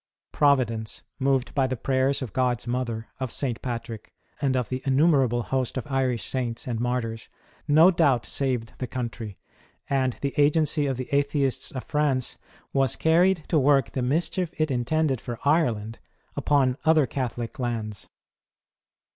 Providence, moved by the prayers of God's Mother, of St. Patrick, and of the innumer able host of Irish Saints and Martyrs, no doubt, saved the country ; and the agency of the Atheists of France was carried to work the mischief it intended for Ireland upon other Catholic lands.